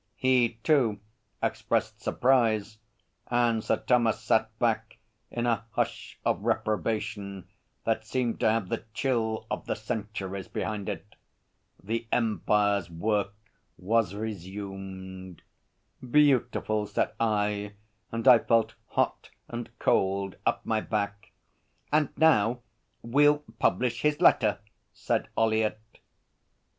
He, too, expressed surprise, and Sir Thomas sat back in a hush of reprobation that seemed to have the chill of the centuries behind it. The Empire's work was resumed. 'Beautiful!' said I, and I felt hot and cold up my back. 'And now we'll publish his letter,' said Ollyett.